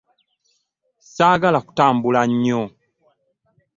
Saagala kutambula nnyo.